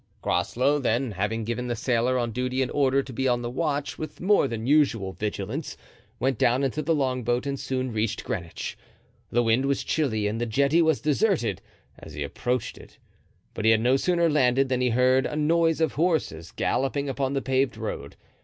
Groslow, then, having given the sailor on duty an order to be on the watch with more than usual vigilance, went down into the longboat and soon reached Greenwich. The wind was chilly and the jetty was deserted, as he approached it; but he had no sooner landed than he heard a noise of horses galloping upon the paved road.